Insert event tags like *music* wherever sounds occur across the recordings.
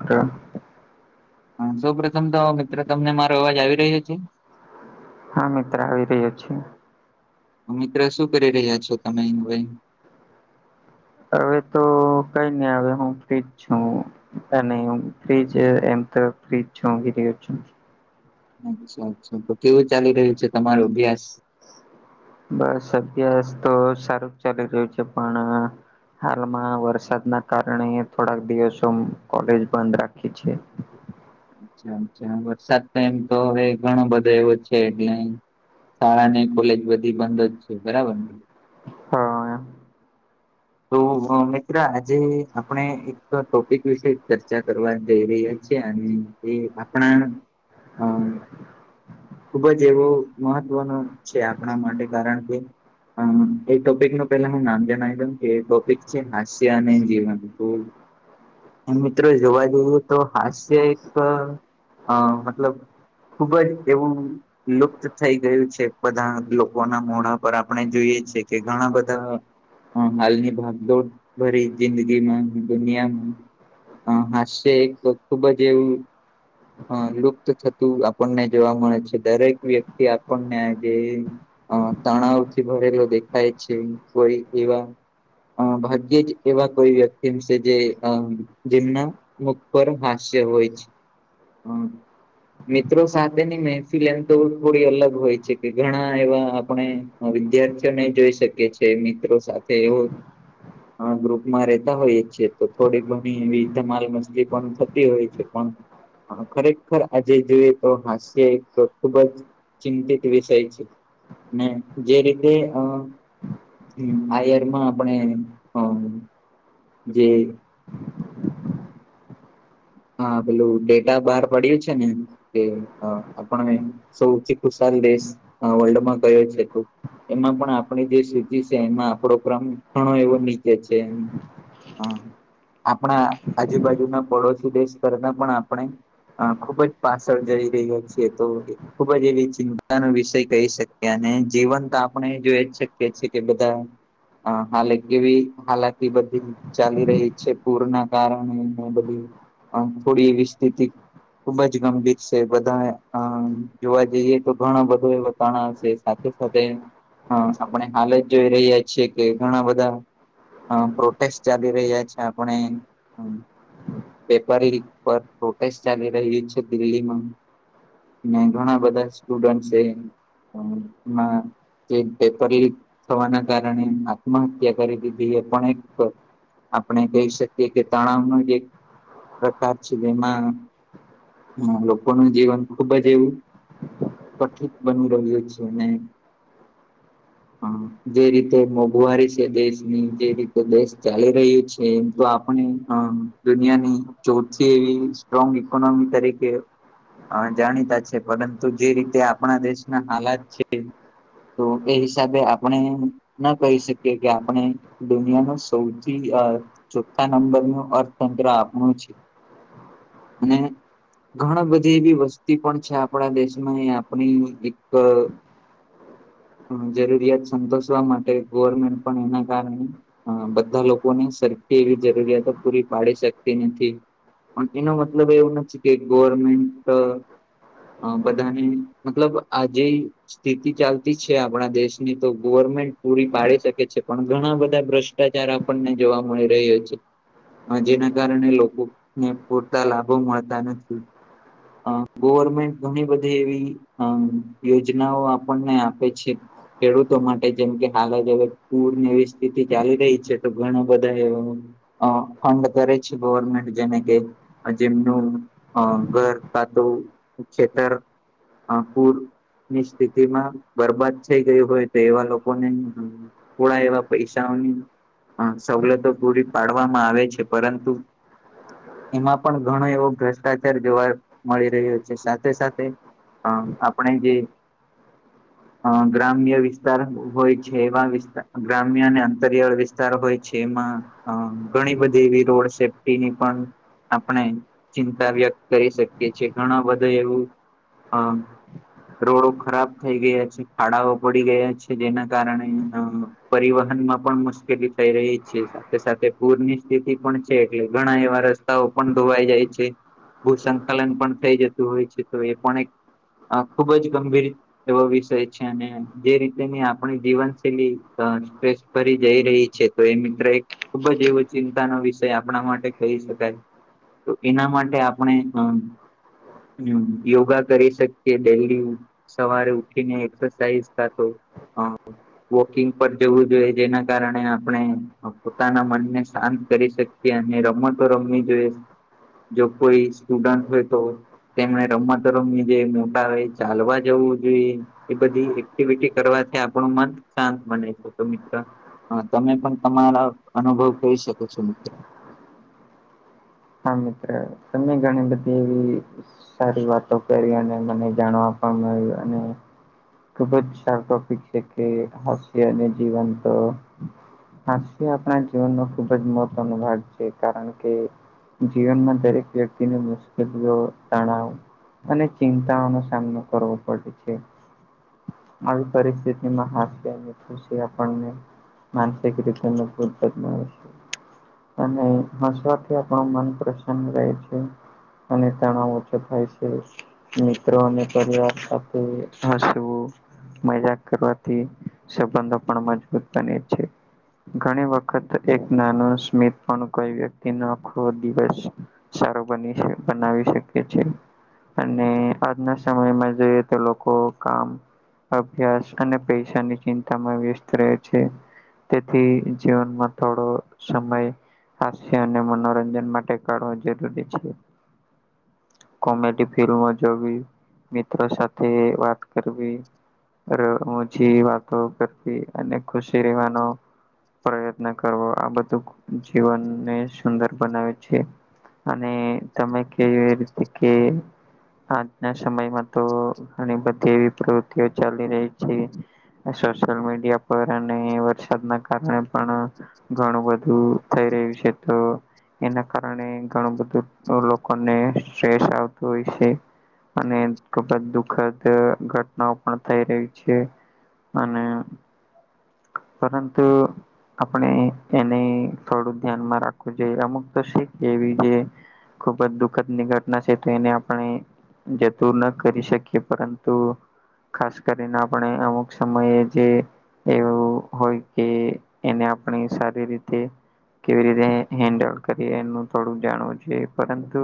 *unintelligible* હા સૌ પ્રથમ તો મિત્રો તમને મારો અવાજ આવી રહ્યો છે. હા મિત્ર આવી રહ્યો છે. મિત્ર શું કરી રહ્યા છો તમે *unintelligible* હવે તો કઈ ની અવે હું ફ્રિજ છું. અને અમે ફ્રીજ એમ તો ફ્રીજ છું *unintelligible* અચ્છા અચ્છા તો કેવું ચાલી રહ્યું છે તમારું અભ્યાસ. બસ અભ્યાસ તો સારું જ ચાલી રહ્યું છે પણ હાલમાં વરસાદના કારણે થોડાક દિવસો કોલેજ બંધ રાખી છે. *inaudible* છા છા વરસાદ તો એમ તો હવે ઘણો બધો એવો છે એટલે શાળા ને કોલેજ બધી બંધ જ છે બરાબર ને. હા તો હ મિત્ર આજે આપણે એક ટોપિક વિશે ચર્ચા કરવા જઈ રહ્યા છે અને એ આપણા અ ખુબ જ એવો મહત્વ નો છે આપણા માટે કારણ કે હ એ ટોપિક નું પેલા હું નામ જણાવ દઉ? એ ટોપિક છે હાસ્ય અને જીવન મિત્રો જોવા જઈએ તો હાસ્ય એક મતલબ ખુબ જ એવુ લુપ્ત થઈ ગયું છે બધા લોકોના મોડા પર આપણે જોઈએ છેએ કે ઘણા બધા હાલની ભાગ દોડ ભરી જિંદગીમાં દુનિયામાં હ હાસ્ય એક તો ખુબ જ એવું. હ લુપ્ત થતું આપણને જોવા મળે છે દરેક વ્યક્તિ આપણને આ જે અ તાણાવ થી ભરેલો દખાાય છે કોઈ એવા. અ ભાગ્યે જ એવા કોઈ વ્યક્તિમ છે જે જેમના મુખ પર હાસ્ય હોય છે હમ. મિત્રો સાથે ની મેહેફી લેમ તો થોડી અલગ હોય છે કે ઘણા એવા આપણે વિદ્યાર્થીઓ નહી જોઈ શકે છે મિત્રો સાથે એવું. ગ્રુપમાં રેતા હોયએ છે તો થોડીક ઘણી એવી ધમાલ મછલી પણ થતી હોય છે પણ હા ખરેખર આજે જોઈએ તો હાસ્ય તો ખુબ જ ચિંતિત વિષય છે જે રીતે અ હ *unintelligible* માં આપણે જે હા પેલું ડેટા બહાર પડ્યું છે ને? કે આપણે સૌથી ખુશાલ દેશ વર્લ્ડમાં કયો છે તો? એમાં પણ આપણી જે સૂચિ છે એમાં આપડો ક્રમ ઘણો એવો નીચે છે. આપણા આજુબાજુના પડોશી દેશ પરના આપણે અ ખુબ જ પાછળ જઈ રહ્યો છે તો ખુબ જ એવી ચિંતાનો વિષય કહી શકીએ અને જીવન તો આપણે જોઈ છીએ કે બધા. હા હાલે કેવી હાલાકી બધી? ચાલી રહી છે પૂરના કારણે બધી થોડી એવી સ્થિતિ ખુબ જ ગંભીર છે બધા જોવા જઈએ તો ઘણો બધો એો તણાવ છે સાથે સાથે હ આપણે હાલ જ જોઈ રહ્યા છીએ કે ઘણા બધા હ પ્રોટેસ્ટ જ રહી જાય છે આપણે હ વેપારી પર પ્રોટેસ્ટ ચાલી રહી છે દિલ્હીમાં. ઘણા બધા સ્ટુડ છે. જે પેપર લીક થવાના કારણે આત્મહત્યા કરી દીધી એ પણ એક આપણે કહી શકીએ કે તણાવ ન જે પ્રકાર છે જેમાં લોકોનું જીવન ખુબ જ એવું. કથિત બની રહ્યું છે નહી. હા જે રીતે મોંઘવારી છે દેશની જે રીતે દેશ ચાલી રહ્યું છે એમ તો આપણે અ દુનિયાની સ્ટ્રોંગ ઇકોનોમી તરીકે હ જાણીતા છે પરંતુ જે રીતે આપણા દેશના હાલાત છે. તો એ હિસાબે આપણે ના કહી શકીએ કે આપણે દુનિયા ન સૌથી ચોથા નંબર નું અર્થતંત્ર આપણું છે અને ઘણા બધી એવી વસ્તી પણ છે આપણા દેશમાં એ આપણી એક જરૂરિયાત સંતોષવા માટે ગવર્મેન્ટ પણ એના કારણે હ બધા લોકો ને સરફી એવી જરૂરિયાતો પૂરી પાડી શકે. નથી પણ એનો મતલબ એવું નથી કે ગવર્મેન્ટ અ બધાને મતલબ આજે સ્થિતિ ચાલતી છે આપણા દેશની તો ગવર્મેન્ટ પૂરી પાડી શકે છે પણ ઘણા બધા ભ્રશ્ ભ્ર્ટાચાર આપણને જોવા મળી રહ્યો છે હ જેના. કારણે લોકો ને પૂરતા લાભો મળતા નથી હ ગોવર્મેન્ટ ઘણી બધી એવી હમ યોજનાઓ આપણને આપે છે ખેડૂતો માટે જેમ કે હાલ જ હવે પૂર ને એવી સ્થિતિ ચાલી રહી છે તો ઘણા બધા એ અ કડ કર છે ગવર્મેન્ટ જેને કે જેમનું ઘર કાતું ખેતર પુર ની સ્થિતિ માં બરબાદ થઈ ગઈ હોય તો એવા લોકો ને થોડા એવા પૈસાઓની સવલતો પૂરી પાડવામાં આવે છે પરં *unintelligible* એમાં પણ ઘણો એવો ભ્રષ્ટાચાર જોવા મળી છે સાથે સાથે હ આપણે જે અ ગ્રામ્ય વિસ્તાર હોય છે એવા વિત ગ્રામ્ય અને અંતરિયાળ વિસ્તાર હોય છે એમાં હ ઘણી બધી એવી રોડ સેફટીની પણ આપણે ચિંતા વ્યક્ત કરી શકીએ છ છેએ ઘણા બધા એવું હા રોડો ખરાબ થઈ ગયા છે ખાડાઓ પડી ગયા છે જેના કારણે પરિવહન માં પણ મુશ્કેલી થઈ રહી છે સાથે સાથે પૂરની સ્થિતિ પણ એટલે ઘણા એવા રસ્તાઓ પણ ધોવાઈ જાય છે. ભૂ સંંકલન પણ થઈ જતું હોય છે તો એ પણ એક ખુબ જ ગંભીર એવો વિષય છે અને જે રીતેની આપણી જીવન શૈલી સ્ટ્રેસ ફરી જઈ રહી છે તો એ મિત્ર એક ખુબ જ એવો ચિંતાનો વિષ આપણા માટે કહી શકાય તો એના માટે આપણે હમ યોગા કરી શકીએ ડેલી સવારે ઉઠીને એક્સરસાઇઝ કરતો વોકિંગ પર જવું જોઈએ જેના કારણે આપણે પોતાના મનને શાંત કરી શકીએ કેને રમતો રમવી જોઈએ જો કોઈ સ્ટુડન્ટ હોય તો તેમણે રમતો રમી જે મોટા હોય એ ચાલવા જવું જોઈએ એ બધી એક્ટિવિટી કરવાથી આપણું શાંત બને છે તો હા તમે પણ તમારા અનુભવ કહી શકો છો મિત્ર મિત તમે ગણી બધી એવી સારી વાતો કરી અને મને જાણવા પણ મળ્યું અને ખુબ સારું ટોપિક છે કે હાસ્ય અને તો આપણા જીવનનો ખુબ મહત્વનો ભાગ છે કારણ કે જીવનમાં વ્યક્તિની તણાવ અને ચિંતાઓનો સામનો કરવો પડે છે. આવી પરિસ્થિતિમાં હાસ ખુશી આપણને માનસિક રીતે ઉપદ અને હસવાથી આપણ મન પ્રસન્ન રહે છે અને તણાવ ઓછો થાય છે. મિત્રો અને પરિવાર સાથે હસવું મજાક કરવાથી સંબંધો પણ મજબૂત બને છે. ઘણી વખત એક નાનો સ્મિત પણ કોઈ વ્યક્તિનો આખો દિવસ સારું બની બનાવી શકી છેએ અને આજના સમયમાં જોઈએ તો લોકો કામ અભ્યાસ અને પૈસાની ચિંતામાં વ્યસ્ત રહે છે. તેથી જીવનમાં થોડો સમય હશે અને મનોરંજન માટે કાડવો જરૂરી છે. કોમેડી ફિલ્મ જોવી મિત્રો સાથે વાત કરવી વાતો કરતી ખુશી રહેવાનો પ્રયત્ન કરવો આ બધું જીવનને સુંદર બનાવે છે. અને તમે કે એ રીતે કે આજના સમયમાં તો ઘણી બધી એવી પ્રવૃતિઓ ચાલી રહી છે. સોશિયલ મીડિયા પર અને વરસાદના કારણે પણ ઘણું બધું થઈ રહ્યું છે તો એના કા કારણે ઘણું બધું લોકોને સ્ટ્રેસ આવતું હોય છે. અને ખૂબ જ દુખદ ઘટનાઓ પણ થઈ રહી છે. અને પરંતુ આપણે એને થોડું ધ્યાનમાં રાખવું જોઈએ અમુક તો શી એવી જે ખુબ જ દુઃખદની ઘટના છે તો એને આપણે જતું ન કરી શકીએ પરંતુ ખાસ કરીને આપણે અમુક સમયે જે એવું હોય કે એને આપણે સારી રીતે કેવી રીતે હેન્ડલ કરીએ એનું થોડું જાણવું જોઈએ પરંતુ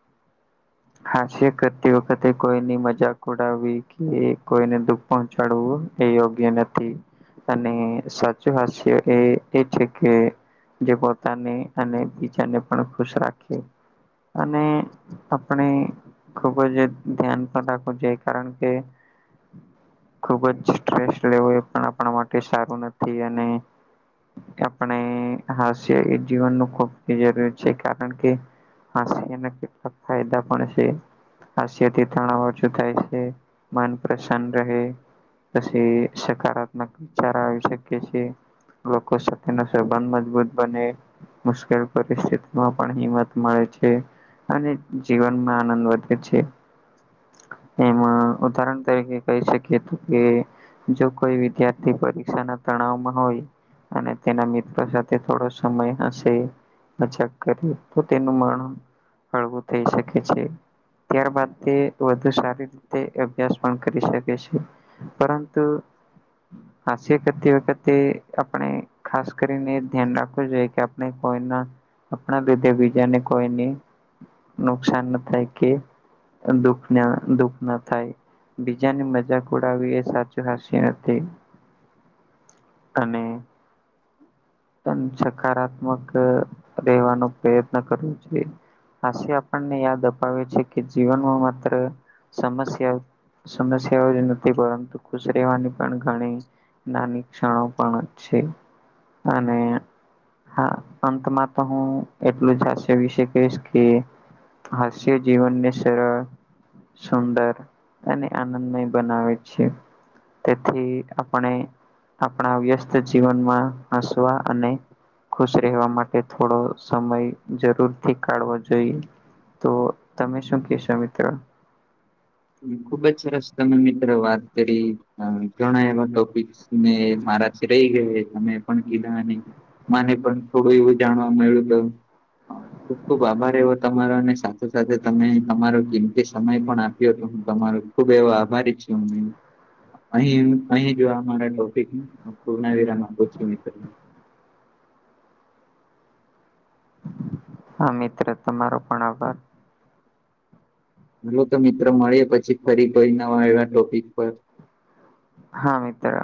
*inaudible* હાસ્ય કરતી વખતે કોઈની મજાક ઉડાવવી કે કોઈને દુઃખ પહોંચાડવું એ યોગ્ય નથી. અને સાચું હાસ્ય એ છે કે જે પોતાને અને બીજાને પણ ખુશ રાખે અને આપણે ખુબ જ ધ્યાન પણ રાખવું જોઈએ કારણ કે ખુબ જ સ્ટ્રેસ લેવો એ પણ આપણા માટે સારું નથી અને આપણે હાસ્ય એ જીવનનું ખૂબ જરૂરી છે કારણ કે હાસ્યના કેટલા ફાયદા પણ છે. હાસ્યથી તણાવ ઓછો થાય છે મન પ્રસન્ન રહે પછી સકારાત્મક વિચાર આવી શકે છે. લોકો સાથેનો સબંધ મજબૂત બને મુશ્કેલ પરિસ્થિતિમાં પણ હિંમત મળે છે. અને જીવનમાં આનંદ વધે છે. એમાં ઉદાહરણ તરીકે કહી શકીએ તો કે જો કોઈ વિદ્યાર્થી પરીક્ષાના તણાવમાં હોય અને તેના મિત્રો સાથે થોડો સમય હશે મજાક કરીએ તો તેનું મન હળવું થઈ શકે છે. ત્યારબાદ તે વધુ સારી રીતે અભ્યાસ પણ કરી શકે છે પરં તું હાસ્ય કરતી વખતે આપણે ખાસ કરીને ધ્યાન રાખવું જોઈએ આપણે કોઈના આપણા લીધે બીજાની કોઈની નુકસાન ન થાય કે દુઃખ ન દુઃખ ન થાય બીજાની મજાક ઉડાવી એ સાચ હાસ્ય નથી અને સકારાત્મક રહેેવાનો પ્રયત્ન કરવો જોઈએ હાસ્ય આપણને યાદ અપાવે છે કે જીવનમાં માત્ર સમસ્યા સમસ્યાઓ જ નથી પરંતુ ખુશ રહેવાની પણ ઘણી નાની ક્ષણો પણ છે. અને હા અંતમાં તો હું એટલું જ હાસ્ય વિશે કહીશ કે હાસ્ય જીવનને સરળ સુંદર અને આનંદમય બનાવે છે. તેથી આપણે આપણા વ્યસ્ત જીવનમાં હસવા અને ખુશ રહેવા માટે થોડો સમય જરૂરથી કાઢવો જોઈ તો તમે શું કેશો મિત્ર? ખુબ જ સરસ તમે મિત્રો વાત કરી ઘણા એવા ટોપિક ને મારાથી રહી ગયા તમે પણ કીધા ને મને પણ થોડું એવું જાણવા મયળુતો હ ખુબ ખુબ આભાર એવો તમારો ને સાથે તમે તમારો કીમતી સમય પણ આ *unintelligible* હું તમારો ખુબ એવો આભારી છું મે અહી અહી જો આ મારાને ટોપિક પૂર્ના વિરામ આપું છું મિત્ર હા મિત્ર તમારો પણ આભાર *unintelligible* તો મિત્રો મળીયે પછી ફરી કોય નવા એવા ટોપિક પર હા મિત્ર.